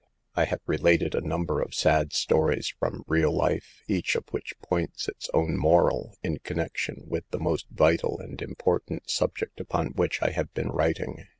I have related a number of sad stories from real life, each of which points its own moral, in connection with the most vital 10* 234 SAVE THE GIRLS. and important subject upon which I have been writing.